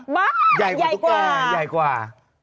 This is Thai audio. ใหญ่กว่าใหญ่กว่า